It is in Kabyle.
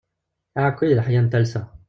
Aεekki d leḥya n talsa.